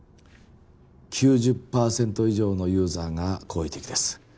９０％以上のユーザーが好意的です